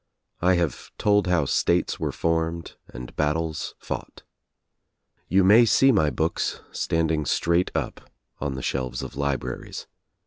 I have told how states were formed and battles fought. You may see my books standing straight up on the shelves of libraries.